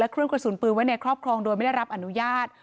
เครื่องกระสุนปืนไว้ในครอบครองโดยไม่ได้รับอนุญาต